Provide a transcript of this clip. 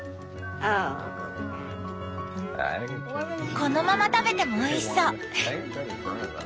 このまま食べてもおいしそう！